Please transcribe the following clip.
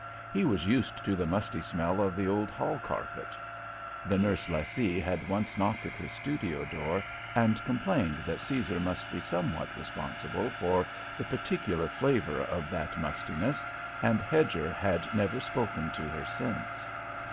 He was used to the musty smell of the old hall carpet. (The nurse lessee had once knocked at his studio door and complained that Caesar must be somewhat responsible for the particular flavour of that mustiness, and Hedger had never spoken to her since.)